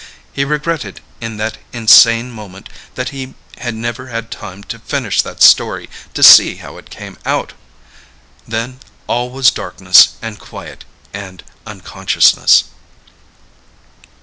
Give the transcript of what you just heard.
He regretted in that insane moment that he had never had time to finish that story to see how it came out. Then all was darkness and quiet and unconsciousness.